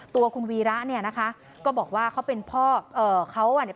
ตัวคุณวีระเนี่ยนะคะก็บอกว่าเขาเป็นพ่อเอ่อเขาอ่ะเนี่ย